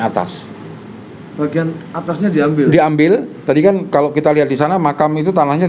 atas bagian atasnya diambil diambil tadi kan kalau kita lihat di sana makam itu tanahnya